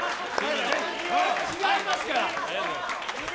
違いますから。